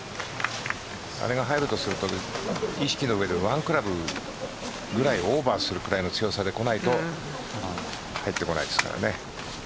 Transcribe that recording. あれが入るとすると意識の上で１クラブ、オーバーするぐらいの強さでいかないと入ってこないですからね。